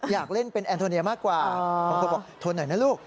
อยากเล่นเป็นแอนโทเนียมากกว่าบางคนบอกโทนหน่อยนะลูก